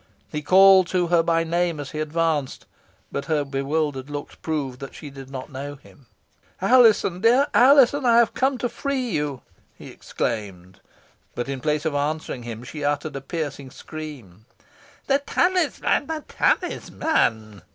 He called to her by name as he advanced, but her bewildered looks proved that she did not know him. "Alizon dear Alizon! I am come to free you," he exclaimed. But in place of answering him she uttered a piercing scream. "The talisman, the talisman?"